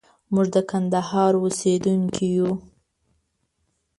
موږ د کندهار اوسېدونکي يو.